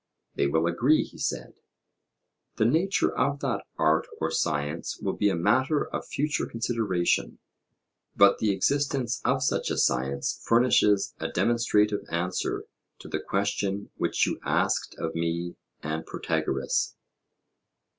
They will agree, he said. The nature of that art or science will be a matter of future consideration; but the existence of such a science furnishes a demonstrative answer to the question which you asked of me and Protagoras.